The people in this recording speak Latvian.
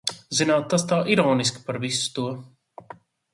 Zināt, tas tā ironiski par visu to.